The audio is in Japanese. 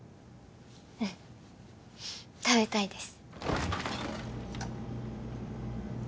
うん食べたいです